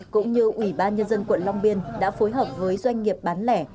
cũng như ủy ban nhân dân quận long biên đã phối hợp với doanh nghiệp bán lẻ